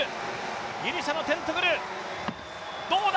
ギリシャのテントグル、どうだ？